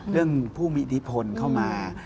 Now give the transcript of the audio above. ผู้มีอิทธิพลเข้ามา